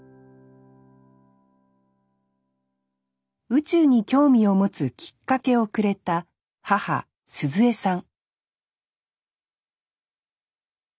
宇宙に興味を持つきっかけをくれた母涼江さん。